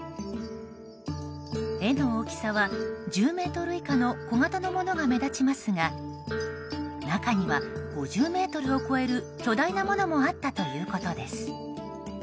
絵の大きさは１０ｍ以下の小型のものが目立ちますが中には５０ｍを超える巨大なものもあったということです。